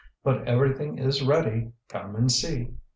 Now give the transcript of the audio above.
"But everything is ready. Come and see."